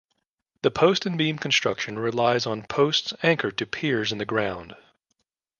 The post and beam construction relies on posts anchored to piers in the ground.